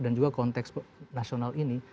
juga konteks nasional ini